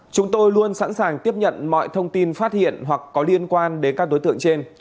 chúng tôi luôn sẵn sàng tiếp nhận mọi thông tin phát hiện hoặc có liên quan đến các đối tượng trên